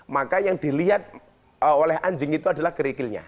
maka yang dilihat oleh anjing itu adalah kerikilnya